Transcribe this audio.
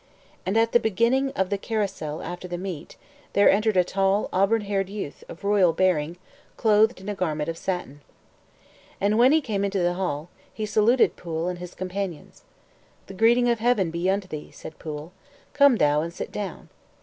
And at the beginning of the carousal after the meat, there entered a tall, auburn haired youth, of royal bearing, clothed in a garment of satin. And when he came into the hall, he saluted Pwyll and his companions. "The greeting of Heaven be unto thee," said Pwyll; "come thou and sit down."